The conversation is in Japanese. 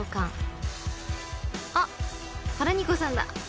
［あっファラニコさんだ］